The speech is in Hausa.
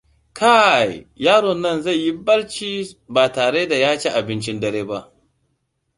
Kai, yaron nan zai yi barci ba tare da ya ci abincin dare ba.